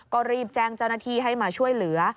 ก็รีบแจ้งเจ้าหน้าที่ให้มาช่วยเหลือ